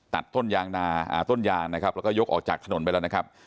ต้นยางนาต้นยางนะครับแล้วก็ยกออกจากถนนไปแล้วนะครับ